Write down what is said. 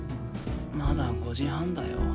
まだ５時半だよ。